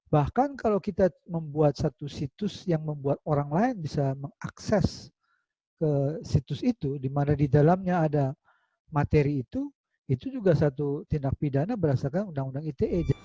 bahkan kalau kita membuat satu situs yang membuat orang lain bisa mengakses ke situs itu dimana di dalamnya ada materi itu itu juga satu tindak pidana berdasarkan undang undang ite